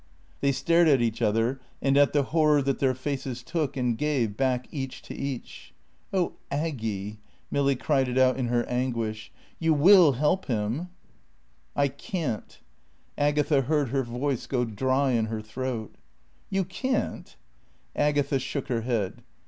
They stared at each other and at the horror that their faces took and gave back each to each. "Oh, Aggy " Milly cried it out in her anguish. "You will help him?" "I can't." Agatha heard her voice go dry in her throat. "You can't?" Agatha shook her head.